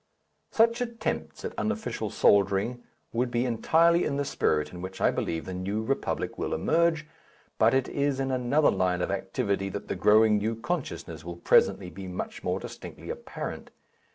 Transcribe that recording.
Such attempts at unofficial soldiering would be entirely in the spirit in which I believe the New Republic will emerge, but it is in another line of activity that the growing new consciousness will presently be much more distinctly apparent.